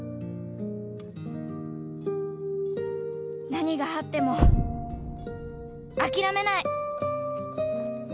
何があっても諦めない